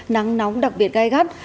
nắng nóng đặc biệt gai gắt